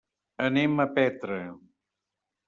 Anem a Petra.